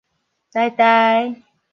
臺大